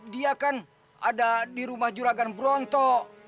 dia kan ada di rumah juragan brontok